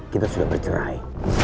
kita sudah bercerai